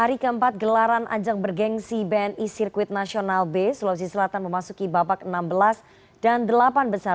hari keempat gelaran ajang bergensi bni sirkuit nasional b sulawesi selatan memasuki babak enam belas dan delapan besar